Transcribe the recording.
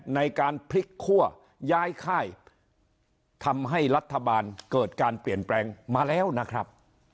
ในการพลิกคั่วย้ายค่ายทำให้รัฐบาลเกิดการเปลี่ยนแปลงมาแล้วนะครับ